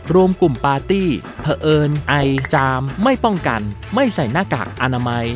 รวมกลุ่มปาร์ตี้เผอิญไอจามไม่ป้องกันไม่ใส่หน้ากากอนามัย